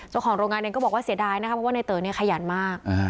ส่วนของโรงงานเนี่ยก็บอกว่าเสียดายนะครับว่าในเต๋อเนี่ยขยันมาก